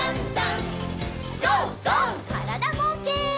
からだぼうけん。